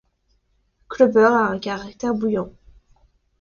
Clubber a un caractère bouillant.